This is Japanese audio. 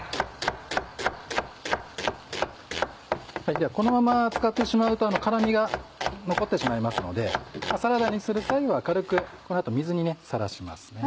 ではこのまま使ってしまうと辛みが残ってしまいますのでサラダにする際は軽くこの後水にさらしますね。